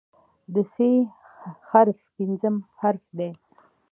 د "ث" حرف پنځم حرف دی.